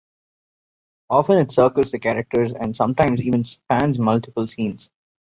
Often it circles the characters, and sometimes even spans multiple scenes.